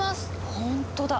ほんとだ。